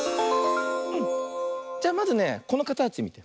じゃあまずねこのかたちみて。